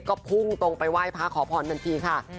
ก็พุ่งตรงไปไหว้พระขอพรหน่อยครับ